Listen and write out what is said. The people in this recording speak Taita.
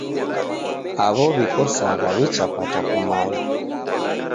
Aw'o w'ikosagha w'ichapata kumanya.